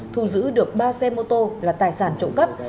thu giữ được ba xe mô tô là tài sản trộm cắp